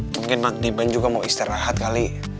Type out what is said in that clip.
mungkin bang diman juga mau istirahat kali